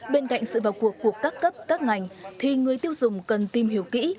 bên cạnh sự vào cuộc của các cấp các ngành thì người tiêu dùng cần tìm hiểu kỹ